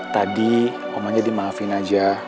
tadi omanya dimaafin aja